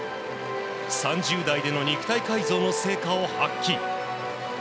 ３０代での肉体改造の成果を発揮。